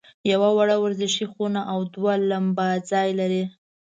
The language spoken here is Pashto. یوه وړه ورزشي خونه او دوه لمباځي لري.